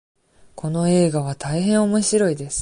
この映画は大変おもしろいです。